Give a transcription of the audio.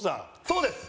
そうです。